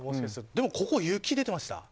ここ、雪出てました？